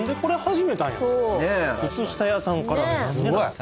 靴下屋さんから何でやろ？